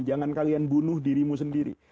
jangan kalian bunuh dirimu sendiri